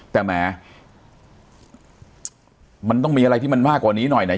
แต่แหมมันต้องมีอะไรที่มันมากกว่านี้หน่อยนะ